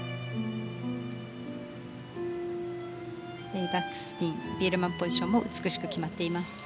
レイバックスピンビールマンポジションも美しく決まっています。